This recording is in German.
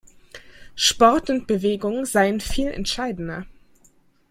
Sport und Bewegung seien viel entscheidender.